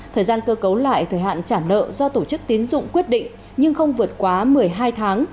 thời gian cơ cấu lại thời hạn trả nợ do tổ chức tiến dụng quyết định nhưng không vượt quá một mươi hai tháng